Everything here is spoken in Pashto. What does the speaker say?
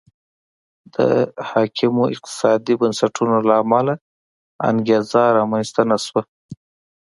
د حاکمو اقتصادي بنسټونو له امله انګېزه رامنځته نه شوه.